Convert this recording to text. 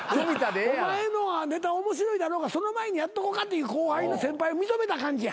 お前の方がネタ面白いだろうからその前にやっとこうかっていう後輩の先輩を認めた感じや。